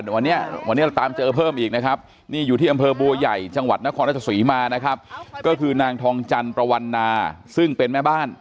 วันนี้เราตามเจอเพิ่มอีกนะครับ